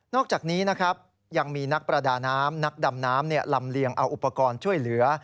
อกจากนี้นะครับยังมีนักประดาน้ำนักดำน้ำลำเลียงเอาอุปกรณ์ช่วยเหลือ